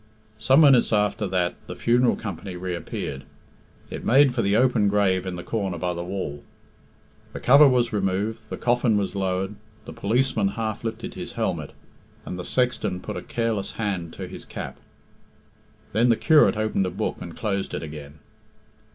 Some minutes after that the funeral company reappeared. It made for the open grave in the corner by the wall. The cover was removed, the coffin was lowered, the policeman half lifted his helmet, and the sexton put a careless hand to his cap. Then the curate opened a book and closed it again.